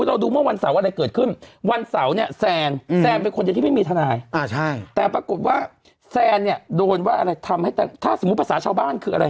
แต่ปรากฏว่าแซนเนี่ยโดนว่าอะไรถ้าสมมุติประสาทชาวบ้านคืออะไร